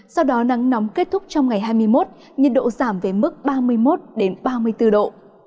sau đó nắng nóng kết thúc trong ngày hai mươi một nhiệt độ giảm về mức ba mươi một ba mươi bốn độ